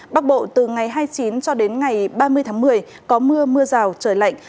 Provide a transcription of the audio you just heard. bắc bộ từ ngày hai mươi chín cho đến ngày ba mươi tháng một mươi có mưa mưa rào trời lạnh